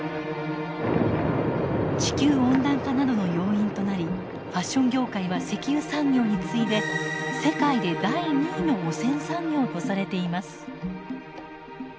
地球温暖化などの要因となりファッション業界は石油産業に次いで世界で第２位の汚染産業とされています。